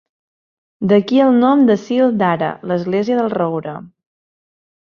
D'aquí el nom de Cill Dara, l'església del roure.